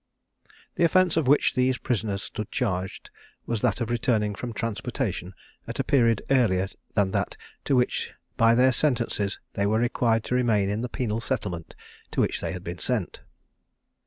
The offence with which these prisoners stood charged was that of returning from transportation at a period earlier than that to which by their sentences they were required to remain in the penal settlement to which they had been sent.